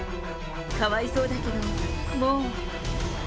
かわいそうだけど、もう。